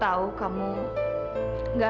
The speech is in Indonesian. akhirnya aku akan ada tonik hati